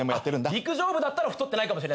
陸上部だったら太ってないかもしれない。